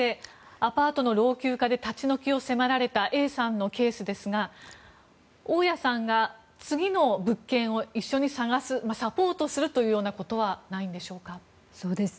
アパートの老朽化で立ち退きを迫られたＡさんのケースですが大家さんが次の物件を一緒に探すサポートするようなことはないんでしょうか。